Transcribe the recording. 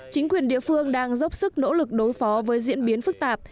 chính quyền địa phương đang dốc sức nỗ lực đối phó với diễn biến phức tạp